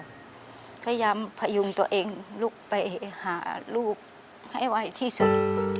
พยายามพยุงตัวเองลุกไปหาลูกให้ไวที่สุด